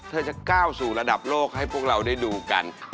จะก้าวสู่ระดับโลกให้พวกเราได้ดูกัน